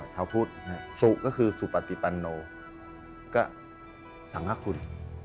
ชาวพุทธสุก็คือสุปติปันโนก็สังคคุณ